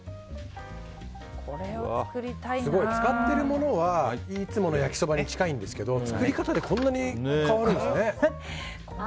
使っているものはいつもの焼そばに近いですけど作り方でこんなに変わるんですね。